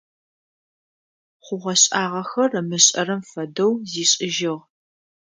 Хъугъэ-шӀагъэхэр ымышӀэрэм фэдэу зишӀыжьыгъ.